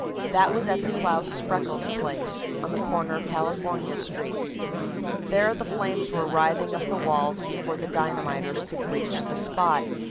That was at the Claus Spreckels place, on the corner of California Street. There the flames were writhing up the walls before the dynamiters could reach the spot.